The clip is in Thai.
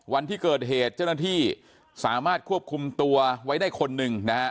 วันที่เกิดเหตุเจ้าหน้าที่สามารถควบคุมตัวไว้ได้คนหนึ่งนะฮะ